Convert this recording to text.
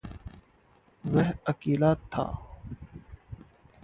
वह अकेला था।